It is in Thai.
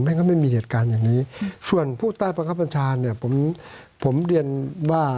ไม่มีเหตุการณ์อย่างนี้ส่วนผู้ต้านพศผมเรียนว่า